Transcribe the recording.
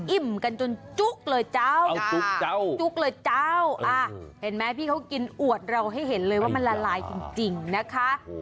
อิ่มกันจนจุ๊กเลยเจ้าจุ๊กเลยเจ้าเห็นไหมพี่เขากินอวดเราให้เห็นเลยว่ามันละลายจริงนะคะ